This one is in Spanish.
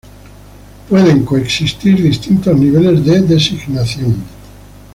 Pueden coexistir distintos niveles de designación.